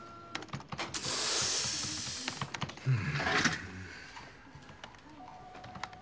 うん。